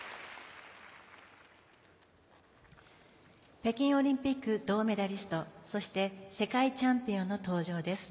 北京オリンピック銅メダリストそして世界チャンピオンの登場です。